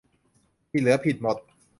ที่เหลือผิดหมด